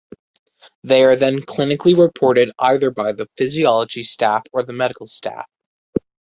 They are then clinically reported either by the physiology staff or the medical staff.